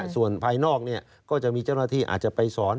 ส่วนภายนอกก็จะมีเจ้าหน้าที่อาจจะไปสอน